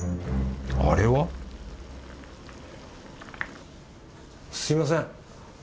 あれは？すみません。